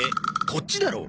こっちだろ。